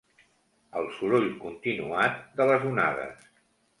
El soroll continuat de les onades.